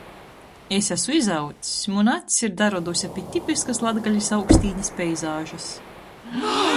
Es asu izaudzs, muna acs ir daroduse pi tipiskys Latgolys augstīnis peizažys.